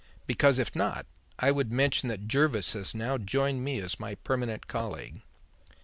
Because if not, I would mention that Jervis has now joined me as my permanent colleague."